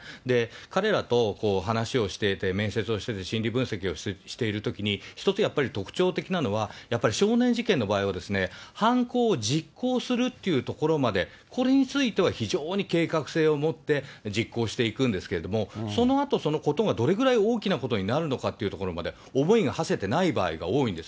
彼らと話をしていて、面接をして、心理分析をしているときに、一つやっぱり特徴的なのは、やっぱり少年事件の場合は、犯行を実行するというところまで、これについては非常に計画性をもって実行していくんですけれども、そのあと、そのことがどれくらい大きなことになるのかというところまで、思いがはせてない場合が多いんです。